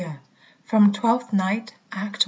FROM "TWELFTH NIGHT," ACT I.